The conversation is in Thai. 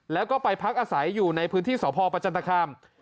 แล้วก็ไปพักอาศัยอยู่ในพื้นที่สพประจันตคาม